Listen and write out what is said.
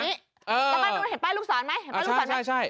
แล้วแบบนู้นเห็นป้ายลูกศรไหม